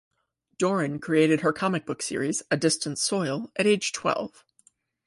Doran created her comic book series, "A Distant Soil", at age twelve.